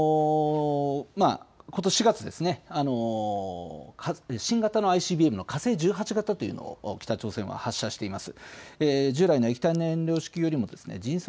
ことし４月、新型のＩＣＢＭの火星１８型というのを北朝鮮は発射しています。